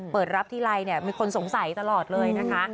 เปิดรับทีไรเนี่ยมีคนสงสัยตลอดเลยนะคะ